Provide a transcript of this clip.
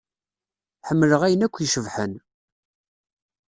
Ḥemmleɣ ayen akk icebḥen.